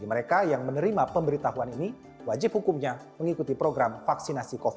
mereka yang menerima pemberitahuan ini wajib hukumnya mengikuti program vaksinasi covid sembilan belas